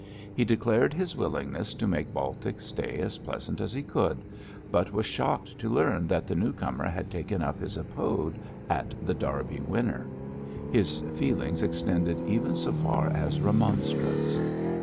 He declared his willingness to make Baltic's stay as pleasant as he could, but was shocked to learn that the new comer had taken up his abode at The Derby Winner. His feelings extended even so far as remonstrance.